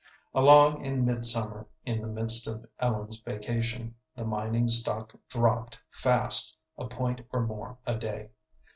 Along in midsummer, in the midst of Ellen's vacation, the mining stock dropped fast a point or more a day.